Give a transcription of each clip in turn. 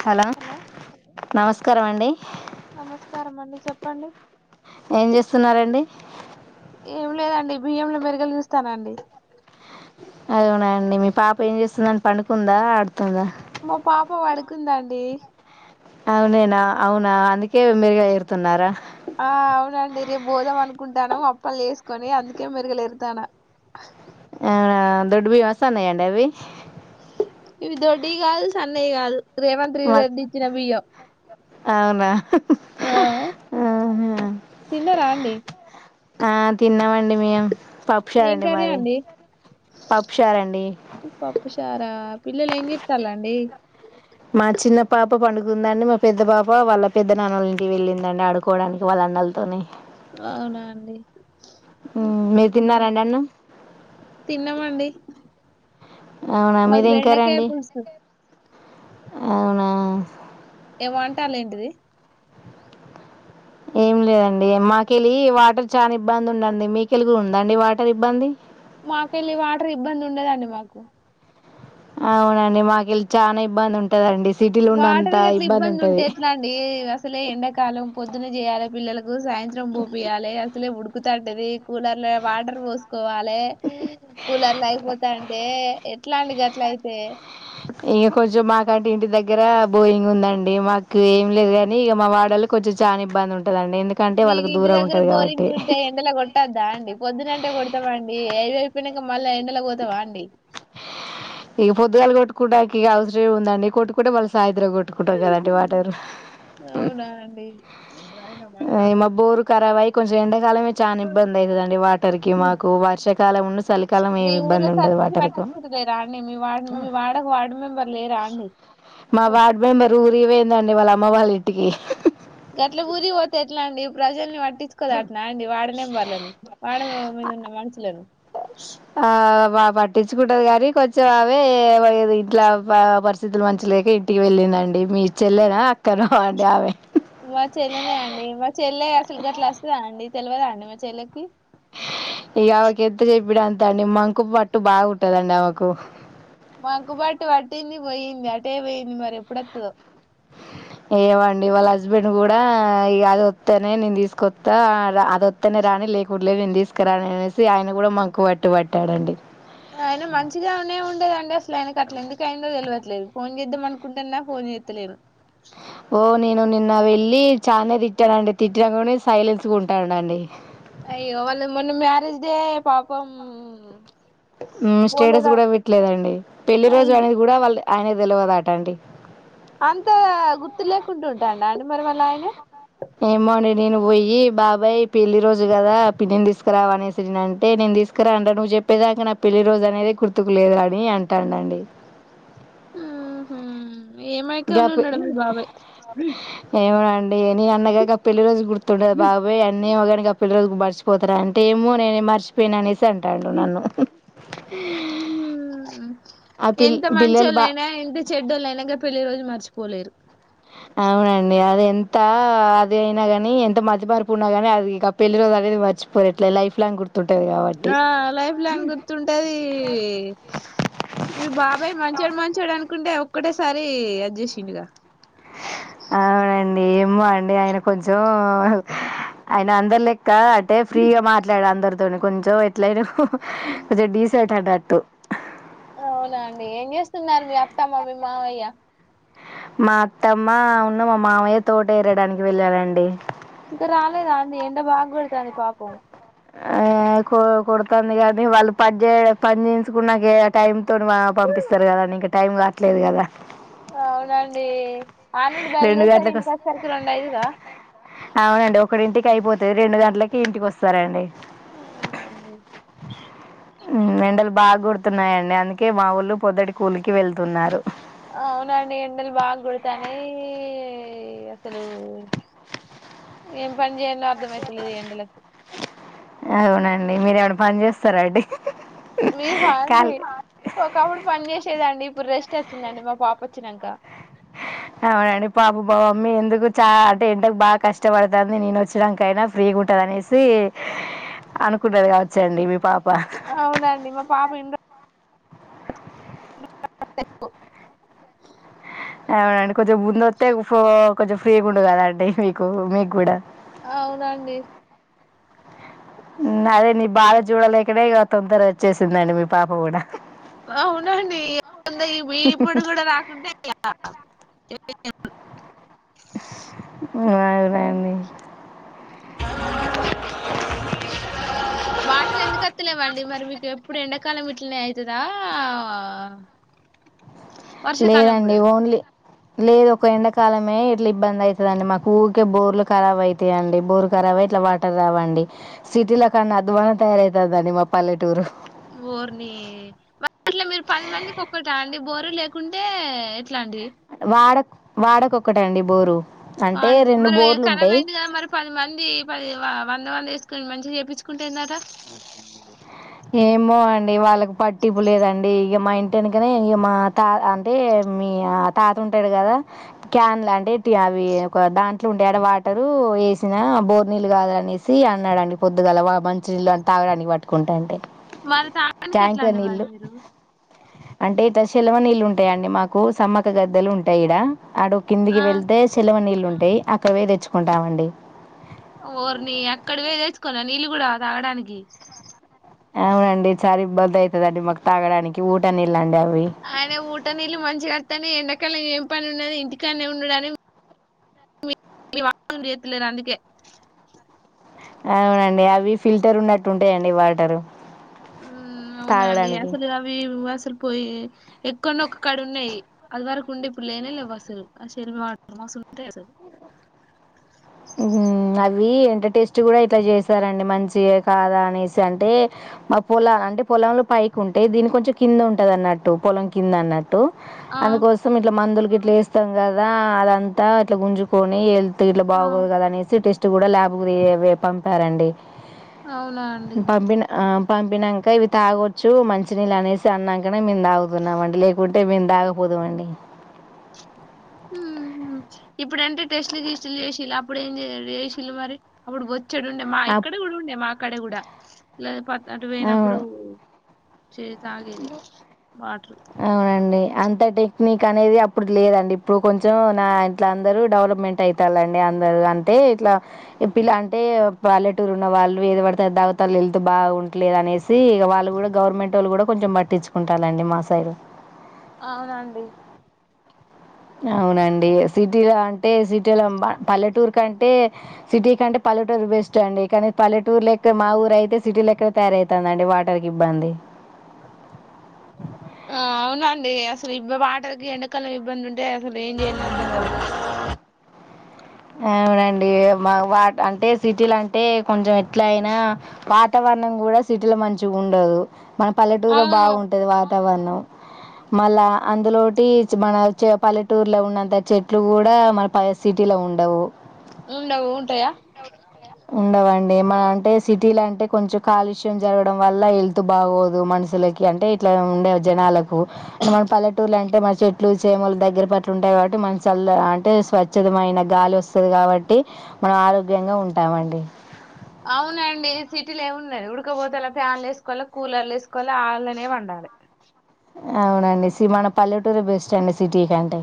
hello నమస్కార అండి నమస్కారం [unintelligible] ఏం చేస్తున్నారండి ఏం లేదండి బియ్యంలో మెరుగలిగిస్తానండి అదవునాండి మీ పాప ఏం చేస్తుందని పంకుందా ఆడుతుందా మా పాప పడుకుందాండి అవుననా అవునా అందుకే మరుగా ఎరుతున్నారా ఆ అవునండి రేపు బోదాం అనుకుంటాను అప్పలు చేసుకొని అందుకే మెరుగులేరుతాను అవునా దుడ్డు బియ్యం వస్తాన్నా అడి అవి ఇవి దొడ్డ కాదు సన్నయ్య కాదు రేవంత్ రి మ రెడ్డి ఇచ్చిన బియ్యం అవునా ఆ ఆహ తిన్నారా అండి ఆ తిన్నామండి మేము పప్పు ఏం చారండి మాది పప్పు చార్ రాదండి పప్పుషారా పిల్లలు ఏం చేస్తాన్రండి మా చిన్న పాప పండుగందండి మా పెద్ద పాప వాళ్ళ పెద్ద నాన్నలంటికి వెళ్ళిందండి ఆడుకోవడానికి వాళ్ళ పిల్లలతోనే అవునా అండి ఉమ్, మీరు తిన్నారండి అన్నం తిన్నామండి అవునా మాది మీది ఏం కర్రీ బెండకాయ అండి పులుసు అవునా ఏమ అంటాల ఏంటిది ఏ లేదండి మాకెళ్ళి వాటర్ చాలా ఇబ్బంది ఉండండి మీకెలిగు ఉందండి వాటర్ ఇబ్బంది మాకు వెళ్ళి వాటర్ ఇబ్బంది ఉండదండి మాకు అవునండి మాకుళ్ళ చాలా ఇబ్బంది ఉంటదండి వాటర్ గ అట్లా ఇబ్బంది ఉంటే ఎట్లా అండి అసలే ఎండాకాలం పొద్దున చేయాలి పిల్లలకు సాయంత్రం పోపియ్యాలి అసలే ఉడుకుతంటది కూలర్ వాటర్ పో కోవాలి కూలర్లు అయిపోతా అంటే ఎట్లా అండి అట్ల అయితే ఇంక కొంచెం మాకుంటి ఇంటి దగ్గర బోయింగ్ ఉందండి మాకు ఏం లేదు కాగాని ఇక మా వాడలకు కొంచం చాలాబ్బ ఉంటుంది మీకు ఇంటి దగ్గర కాబట్టి బోరింగ్ ఉంటే ఎండల కొట్టద్దా అండి పొద్దునంటే కొడతామండి ఏవ ప్పనుక మళ్ళా ఎండలో పోతావా అండి ఇగ పొద్దుగాలు కొట్టుకుంటకి ఇక అవసరం ఉందండి కొట్టుకుంటే వాళ్ళ సాయంత్రం ట్టుకుంటాం కదండి వాటరు అవునా అండి ల మా బోరు కరావయ్ కొంచెం ఎండాకాలమే చానా ఇబ్బంది అయితదండి వాటర్ కి మాకు వర్షాకాలం ను చలికాలం ఏమి ఇబ్బంది ఉండదు వాటర్ కు లేరా అండి మీ వాడు మీ వాడకు వార్డు మెంబర్ లేరా అండి మా వార్డ్ మెంబర్ ఊరి ఒయిందండి వాళ్ళ అమ్మ వాళ్ళ ఇంటికి గట్ల ఊరి పోతే ఎట్లా అండి ప్రజల్ని పట్టించుకోద అట్న అండి వాడ్ మెంబర్లను వాడ మీద ఉన్న మనుషులను ఆ బా పట్టించుకుంటాది కొంచెం అవే ఇట్లా పరిస్థితులు మంచి లేక ఇంటికి వెళ్ళిందండి మీ చెల్లెనా అక్కనో అండి ఆమె మా చెల్లెనే తెల్వద అండి మా చెల్లకి ఇగ ఆమెకు ఎంత చెప్పిన అంతే అండి మంకు పట్టు బా ఉంటదండి ఆమెకు మంకు పట్టు అట్టేంది పోయింది అటే పోయింది మరి ఎప్పుడు వత్తదో ఏవండి వాళ్ళ హస్బెండ్ కూడా ఇగ అది వత్తేనే నేను తీసుకొస్తా అది వత్తేనే రాని నీకుట్లే నేను తీసుకురాననేసి ఆయన కూడా మంకు పట్టు పట్టాడండి ఆయన మంచిగానే ఉండేదండి అసలు ఆయనకు అట్లా ఎందుకైందో తెల్వదు ట్లేదు ఫోన్ చేద్దామ అనుకుంటన్నా ఫోన్ జేత్తలేను ఓ నేన్ నిన్న వెళ్ళి చానే తిట్టానండి తిట్టికని సైలెన్స్ గ ఉంటానండి అయ్యో వాళ్ళ మొన్న మ్యారేజ్ డే పాపం స్టేటస్ పోలేదా కూడా పెట్టలేదండి పెళ్లి రోజు అనేది కూడా వాళ్ళే ఆయనకి తెల్వదట అండి అంత గుర్తు లేకుండ ఉంటే అండి ఆయన మరి వాళ్ళే ఆయనే ఏమోండి నేను ఓయి బాబాయ్ పెళ్ళి రోజు కదా పిన్నిని దీసుకురావ అనేసి న అంటే నేను తీసుకురా అంటే నువ్వు చెప్పేదాక నా పెళ్లి రోజు అనేది గుర్తుకు లేదు అని అంటాండు అండి మ్ హు గా ఏమైక్కాని అని పె ఉన్నాడో మీ బాబాయ్ లేని అన్న ఇగ పెళ్లి రోజు గుర్తుండదు బాబాయ్ అన్నీ ఒక పెళ్ళి రోజుకి మర్చిపోతార అంటే ఏమో నేనే మర్చిపోయిన అనే సి అంటాండు నన్ను ఆ పిల్ ఎంత పిల్లలు బా మంచోళ్ళైనా ఎంత చెడ్డోళ్ళైనా గ పెళ్లి రోజు మర్చిపోలేరు అవునండి అది ఎంత అది అయినా గాని ఎంత మతి మరుపు ఉన్న గాని అది ఇంక పెళ్లి రోజు అది మరిచిపోరిట్ల లైఫ్ లాంగ్ గుర్తు ఆ లైఫ్ లాంగ్ గుర్తుంటది మీ బాబాయ్ మంచోడు మంచోడు అనుకుంటే ఒక్కటేసారి అది జేసిండుగా అవునండి ఏమో అండి ఆయన కొంచెం ఆయన అందరిలే క్క అంటే ఫ్రీగా మాట్లాడు అందరితోని కొంచెం ఎట్ల అయిన అవునా అండి ఏం చేస్తున్నారు మీ అత్తమ్మ మీ మావయ్య మా అత్తమ్మ ను మా మావయ్య తోట ఎరడానికి వెళ్ళనండి ఇంకా రాలేదాండి ఎండ బాగొడతాంది పాపం ఆ అకో కుడుతుంది కానీ వాళ్ళు పని చేయర పని చేయించుకున్నాకే టైమ్ తోటి పంపిస్తారు కదండి ఇంక టైం గాట్లేదు కదా అవునండి ఆడ నుండి రెండు బయలుదేసరికి గంటలకు ఇంటికి వస్ వచ్చేసరికి రెండు అయితదా ఒకడింటికి అయిపోతే రెండు గంటలకి ఇంటికి వస్తారండి అవునా అండి ఎండలు బాగా గొడుతున్నాయండి అందుకే మా వోళ్ళు పొద్దుటి కూలికి వెళ్తున్నారు అవునండి ఎండలు బాగా గొడతానే అసలు ఏం పన్జయల్లో అర్ధమయితలేదు ఎండలకు అవునండి మీర ఏమనా పని చేస్తారాండి మేమండి ఒకప్పుడు పని జేసేదాండి ఇప్పుడు రెస్ట్ ట్ వచ్చిందండి మా పాప వచ్చినాంక అ అవునండి పాప బ మా మమ్మి ఎందుకు చాలా అంటే ఎండకు బాగా కష్టపడుతుంది నేను వచ్చానికైనా ఫ్రీగా ఉంట నేసి అనుకుంటది గావచ్చు టండి మీ పాప అవునండి మా ఇపు అవునండి కొంచెం ముందొత్తే కొంచెం ఫ్రీగుండు గదాండి మీకు మీక్కూడా అవునండి అదే నీ బాద చూడలేకనే ఇగ తొందరొచ్చేసిందండి మీ పాప గూడా అవునండి ఎట్లుందో ఇప్పుడు గూడా రాకుంటే ఎట్ల త ఊ అవునండి వాటర్ ఎందుకత్తలేవండి మరి మీకెప్పుడు ఎండాకాలం ఇట్లనే అయిదా లేదండి ఓన్లీ లేదు ఒక ఎండకాలమే ఇట్లా ఇబ్బంది అయితదండి మాకూకే బోర్లు ఖరాబయితయండి బోర్ ఖరాబయ్ ఇట్లా వాటర్ ావండి సిటీలో కాన్నా అద్వన తయారవుతుందండి మా పల్లెటూరు వోర్ని ఇట్లా మీరు పది మందికి ఒక్కటండి బోరు లేకుంటే ఎట్లా అండి వాడ వాడకొక్కటండి బోరు అంటే వాడుకో రెండు మరి బోర్లు ఉంటాయి కరాబయింది గదా మరి పది మంది పది వ ఎంతమంద ఏసుకొని మంచిగా చేపిచుకుంటేందట ఏమో అండి వాళ్ళకి పట్టిపు లేదండి ఇగ మా ఇంటి యెనకనే ఇగ మా త అంటే మీ తాత ఉంటాడు గదా క్యాన్ లా అంటే అవి ఒక దాంట్లో ఉండేడు వాటరు వేసినా బోర్ నీల్లు కాదనేసి అన్నాడండి పొద్దుగల మంచ నీళ్ళు అని తాగడానికి పట్టుకుంటా అంటే మరి తాగడానికి ట్యాంక్ ఎట్లా ల అండి మరి నీల్లు మీరు అంటే చెెలమ నీళ్ళుంటాయండి మాకు సమ్మక గద్దెలు ఉంటాయిడ ఆడ ఆ కిందికి వెళ్తే చెెలవ నీళ్ళు ఉంటాయి వుంటే అక్కడ పొయ్ దెచ్చుకుంటామండి ఓర్ని అక్కడి బోయ్ తెచ్చుకోల్నా నీళ్ళు కూడా తాగడానికి అవునండి చానా ఇబ్బంది అయితదండి మాకు తాగడానికి ఊటనీల్లన్డి అవును ఆయన ఊట నీళ్ళు మంచిగాత్తన్నయ్ ఎండకలం ఏం పని ఉన్నదో ఇంటికానే ఉండడానికి త్తలేరు అందుకే అవునండి అవి ఫిల్టరున్నట్టు ఉంటాయండి వాటర్ ఆ అవునండి అసలు అవి అసలు పోయి ఎక్కున్నా ఒక కాడ ఉన్నాయి అది వరకు ఉండే ఇప్పుడు లేనే లేవు అసలు శ మా మసుంటే అసలు మ్మ్, అవి ఎంటటేస్ట్ గూడా ఇట్లా చేశారండి మంచి కాదా అనేసి అంటే మా పొల అంటే పొలంలో పైకి ఉంటేయి దీని కొంచెం కింద ఉంటదన్నట్టు పొలం కింద అన్నట్టు ఆ అందుకోసం ఇట్లా మందులు గిట్ల యేస్తాం గదా అదంతా ఇట్లా గుంజుకొని వెళ్తు ఇలా ఆ, బాగోదు గద అనేసి టెస్ట్ కూడా ల్యాబ్కి పంపారంండి అవునా అండి పంపినంక ఇవి తాగొచ్చు మంచినీల్లనేసి అన్నంకనే మేము తాగుతున్నాంమండి లేకుతే టే మేంతాగపోదుమండి ఊహు ఇప్పుడంటే టెస్ట్లు గిస్ట్లు జేసిలు అప్పుడేం జేసిలు మరి అప్పుడు చెడుండే మా అప్ ఇక్కడ కూడా ఉండే మా అక్కడ కూడా లే ప అటు అవును పోయినప్పుడు చే తాగేది వాటర్ అవునండి అంత టెక్నిక్ అనేది అప్పుడుకి లేదండి ఇప్పుడు కొంచెం నా ఇంట్ల అందరూ డెవలప్మెంట్ అవుతలండి అందరు అంటే ఇట్లా పిలా అంటే వాలలెటూర్ ఉన్న వాళ్ళు ఏద పడితే దాగతళ్లు వెళ్తూ బాగుండలేదు అనేసి ఇక వాళ్ళు కూడా గవర్నమెంట్ వాళ్ళు కూడా పట్టించుకుంటాలండి మా సైడు అవునండి అవునండి సిటీలో అంటే సిటీలో పల్లెటూరు కంటే సిటీ కంటే బస్డ్ ఏ పల్లటూరు లెక్కడ మా ఊరుయితే సిటీ లెక్కడ తయారవుతుందండి వాటర్కి ఇబ్బంది ఒక ఆ అవునండి అసలు ఇ వాటలకి ఎండకాల ఇబ్బంది ఉంటే అసలు ఏం చేయాలని అర్థం కాదు అవునండి వా అంటే సిటీలు అంటే కొంచెం ఎట్లా అయినా వాతావరణం కూడా సిటీలో మంచి ఉండదు మన పల్లెటూరులో అవును బాగుంటది వాతావరణం మళ్ళా అందులోటి మన పల్లెటూరులో ఉన్నంత చెట్లు కూడా మన ప సిటీలో ఉండవు ఉండవు ఉంటాయా ఉండవండి ఏమ అంటే సిటీల అంటే కొంచెం కాలుష్యం జరగడం వల్ల హెల్త్ బాగోదు మనుషులకి అంటే ఇట్లా ఉండే జనాలకు మన పల్లెటూరు అంట ట మన చెట్లు చేమలు దగ్గర పట్లు ఉంటాయి కాబట్టి మన చల్ అంటే స్వచ్ఛదమైన గాలి వస్తుంది కాబట్టి మనం ఆరోగ్యంగా ఉంటామండి అవునండి సిటీలు ఏమిన్నాది ఉడకపోతలా ఫ్యాన్లు వేసుకోవాలి కూలర్లు వేసుకోవాలి వాళ్ళనే వండాలి న అవునండి మన పల్లెటూరు బెస్ట్ అండి సిటీ కంటే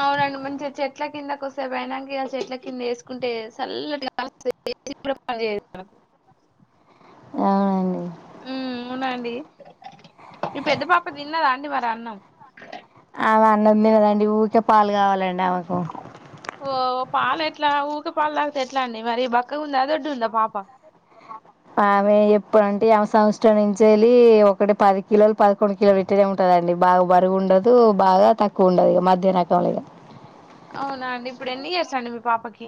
అవునండి మంచిగా చెట్ల కిందకి వస్తే బనాంగ చెట్ల కింద వేసుకుంటే చల్లటి కూడా ప అవునండి ఉ అవునండి ఈ పెద్ద పాప తిన్నదా అండి మరి అన్నం అవి అన్నం కదండి ఊరిే పాలు కావాలండి ఆమెకు ఓ పాలయితే ట్లా ఊరిక పాలు తకతే ఎట్లా అండి మరి బక్కగా ఉందా దొడ్డు ఉందా పాప ఆమె ఎప్పుడంటే ఆమె సంవత్సరం నుంచ వెళ్ి ఒకటి పది కిలోలు పదకొండు కిలో పెట్టనే ఉంటారు కదండి బాగా బరుగు ఉండదు బాగా తక్కువ ఉండదు ఇక మధ్యాహ్నకంంలో ఇక అవునా అండి ఇప్పుడు ఎన్ని చేస్తాండి మీ పాపకి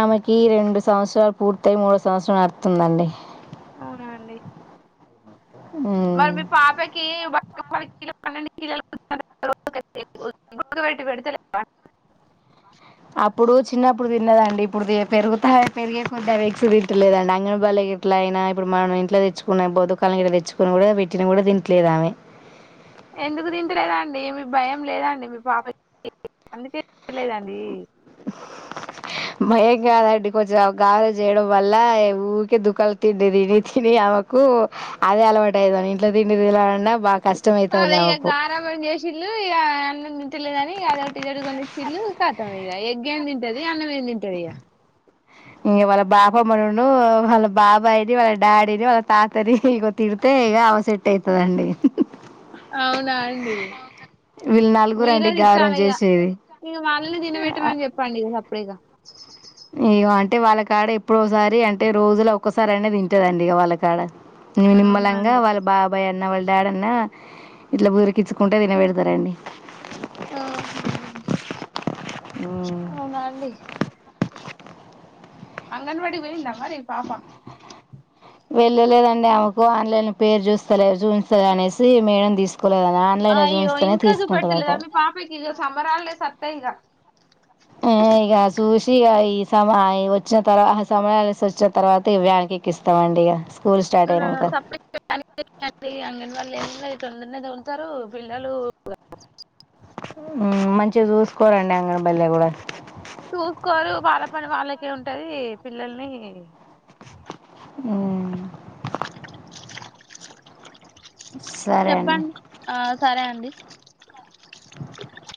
ఆమెకి రెండు సంవత్సరాలు పూర్తయి మూడో సంవత్సరం అడుతుందండి అవునండి మరి మీ పాపకి బ ప పె అప్పుడు చిన్నప్పుడు తిన్నదండి ఇప్పుడు పెరుగుతా పెరిగే కొంత ఎక్స్ తిట్లేదండి అంగనబల్లి ఇట్లా అయినా ఇప్పుడు మనం ఇంట్లో తెచ్చుకున్న బతుకాలని ఇ తెచ్చుకుని కూడా పెట్టిన కూడా తింట్లేదు ఆమె ఎందుకు తింటలేదా అండి మీ భయం లేదండి మీ పాప అందుకే చూడలేదండి మయంగాద అడి కొంచెం గగారజ చేయడం వల్ ఊకే దుఖాలు తిండడి తినీ తినీ మాకు అదే అలవాటు అయ్యాని ఇంట్లో తిండి బా అదే కష్టమేయితదా ఇక అకు తల్లేదని అదొ ఒకటిదడు కొ చిల్లు కాతాం ఇక ఎగ్ ఏంది తింటది అన్నం ఏది తింటది ఇక ఇ వాళ్ళ బాపమ్ మనను వాళ్ళ బాబాయిని వాళ్ళ డాడీని వాళ్ళ తాతని ఇ గతిడతే అవసెట్ అవుతుదండి అవునా అండి వీళ్ళు నలుగురు అండి మీరేదిట్టాల గారం ఇగ చేసేది ఇక మళ్ళని తినబెట్టమని చెప్పండి ఇక తప్ప పడేగా ఏమో అంటే వాళ్ళ కాడ ఎప్పుడోసారి అంటే రోజులో ఒక్కసారి అనేది తింటదండి ఇక వాళ్ళ కాడ అవునా నిమ్మలంగా అండి వాళ్ళ బాబాయ్ అన్న వాళ్ డాడన్నా ఇట్లా బురికిచ్చుకుంటే తిన పెడతారండి ఆ హా అవున అండి అంగన్వాడి కి పోయిందా మరి పాప వెళ్ళలేదండి ఆమెకు ఆన్లైన్ పేరు జూస్తలేరు జుమ్ త్సలేరు అనేసి మేడం తీసు అయ్యో ఇంకా జూపెడత లేదా మీ పాపకి ఇక సమ్మరాల్డేస్ వత్తయ్ ఇగ ఆ ఇగ చూసి ఈ సమ వచ్చిన తర్వా ఆ సమ్మరా ల్స్ వచ్చిన తర్వాత ఇవ్వ న్ కి ఎక్కిస్తామండి ఇగ ఆ సప్ గ [inaudible] అంగన్వాన్ [unintelligible] పిల్లలు ఇగ మంచిగా జూసుకోరండి అంగన్ బల్లె కూడా చూసుకోరు వాళ్ళ పని వాళ్ళకే ఉంటది పిల్లల్ని ఉమ్ సరే అండి చెప్పండి ఆ సరే అండి